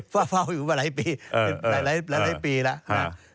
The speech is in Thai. เฝ้าอยู่มาหลายปีหลายปีแล้ว